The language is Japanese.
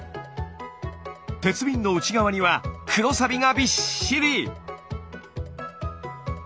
鉄瓶の内側には黒サビがびっしり！